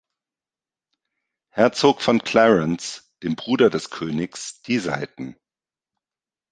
Herzog von Clarence, dem Bruder des Königs, die Seiten.